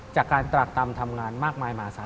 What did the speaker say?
จากการตรักตำทำงานมากมายมหาศาล